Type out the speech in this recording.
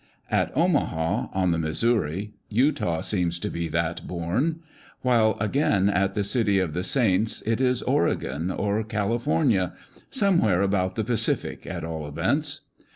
At Omaha, on the Missouri, Utah seems * to be that bourne : while, again, at the city of the saints it is Oregon, or California, — some where about the Pacific at all events.